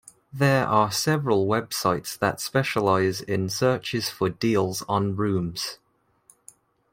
There are several websites that specialize in searches for deals on rooms.